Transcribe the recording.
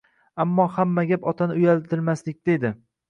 Ammo hamma gap otani uyaltirmaslikda edi.